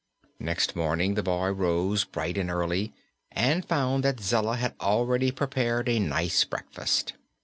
Next morning the boy rose bright and early and found that Zella had already prepared a nice breakfast.